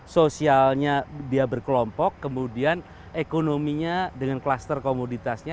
sosialnya dia berkelompok kemudian ekonominya dengan kluster komoditasnya